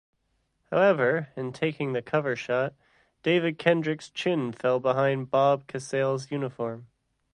However, in taking the cover shot, David Kendrick's chin fell behind Bob Casale's uniform.